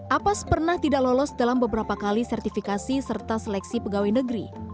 apas pernah tidak lolos dalam beberapa kali sertifikasi serta seleksi pegawai negeri